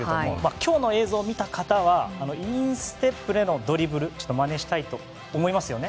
今日の映像を見た方はインステップでのドリブルちょっとまねしたいと思いますよね。